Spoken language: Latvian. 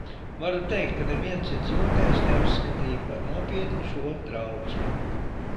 Varu teikt, ka neviens iedzīvotājs neuzskatīja par nopietnu šo trauksmi.